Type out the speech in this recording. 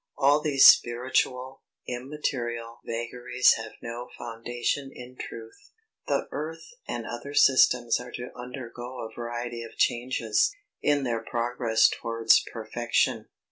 All these "spiritual," "immaterial" vagaries have no foundation in truth. The earth and other systems are to undergo a variety of changes, in their progress towards perfection.